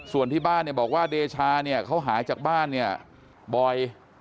ส่วนที่บ้านบอกว่าเดชาเขาหายจากบ้านบ่อย